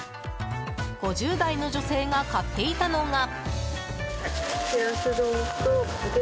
５０代の女性が買っていたのが。